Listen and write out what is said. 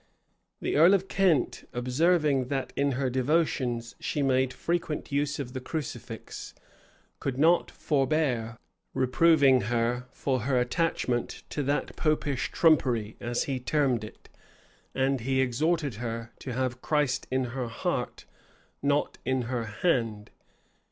The earl of Kent, observing that in her devotions she made frequent use of the crucifix, could not forbear reproving her for her attachment to that Popish trumpery, as he termed it; and he exhorted her to have Christ in her heart, not in her hand.